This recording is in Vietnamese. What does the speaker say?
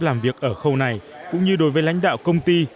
làm việc ở khâu này cũng như đối với lãnh đạo công ty